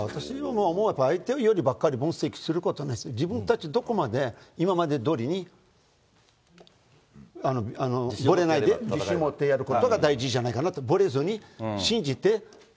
相手よりばっかり分析することより、自分たちどこまで今までどおりにぶれないで自信持ってやることが大事じゃないかなと、ぶれずに信じて。